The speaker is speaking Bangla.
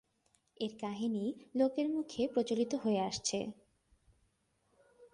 এর কাহিনী লোকের মুখে প্রচলিত হয়ে আসছে।